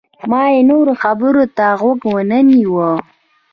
ما یې نورو خبرو ته غوږ ونه نیوه.